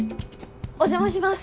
お邪魔します！